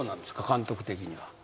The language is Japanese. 監督的には。